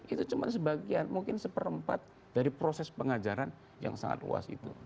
itu cuma sebagian mungkin seperempat dari proses pengajaran yang sangat luas itu